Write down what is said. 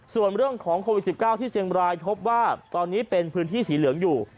ส่วนเรื่องของโควิด๑๙ที่เชียงบรายพบว่าตอนนี้เป็นพื้นที่สีเหลืองอยู่